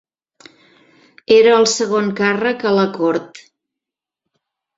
Era el segon càrrec a la cort.